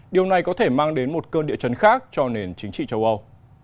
điều này có thể mang đến một cơn địa chấn khác cho nền chính trị châu âu